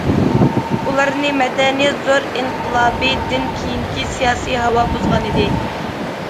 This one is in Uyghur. ئۇلارنى« مەدەنىيەت زور ئىنقىلابى» دىن كېيىنكى سىياسىي ھاۋا بۇزغانىدى.